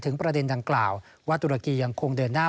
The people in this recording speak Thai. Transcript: ประเด็นดังกล่าวว่าตุรกียังคงเดินหน้า